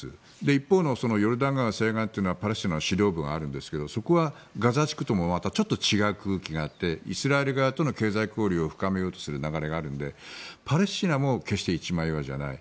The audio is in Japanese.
一方のヨルダン川西岸というのはパレスチナの指導部があるんですけどそこはガザ地区ともまたちょっと違う空気があってイスラエル側との経済交流を深めようとする流れがあるのでパレスチナも決して一枚岩じゃない。